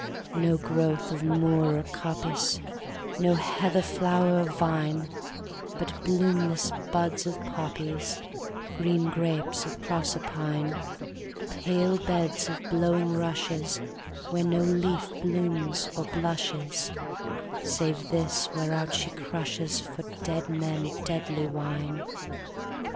No growth of moor or coppice, No heather flower or vine, But bloomless buds of poppies, Green grapes of Proserpine, Pale beds of blowing rushesWhere no leaf blooms or blushes, Save this whereout she crushesFor dead men deadly wine.